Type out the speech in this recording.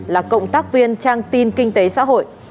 là cộng tác viên trang tin kinh tế xã hội